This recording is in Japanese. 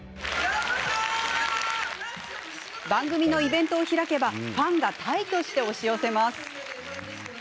番組のイベントを開けばファンが大挙して押し寄せます。